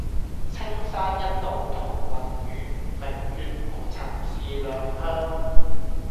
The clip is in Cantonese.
青山一道同雲雨，明月何曾是兩鄉